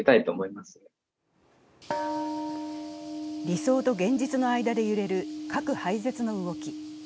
理想と現実の間で揺れる核廃絶の動き。